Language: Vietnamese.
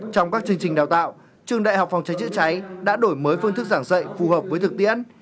trong các chương trình đào tạo trường đại học phòng cháy chữa cháy đã đổi mới phương thức giảng dạy phù hợp với thực tiễn